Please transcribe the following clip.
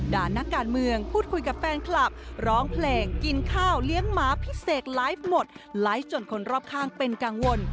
นักการเมืองพูดคุยกับแฟนคลับร้องเพลงกินข้าวเลี้ยงหมาพิเศษไลฟ์หมดไลฟ์จนคนรอบข้างเป็นกังวล